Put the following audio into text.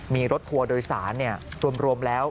มีรถทัวร์โดยสารรวมแล้ว